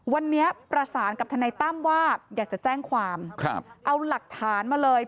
วันนี้ประสานกับทนายตั้มว่าอยากจะแจ้งความครับเอาหลักฐานมาเลย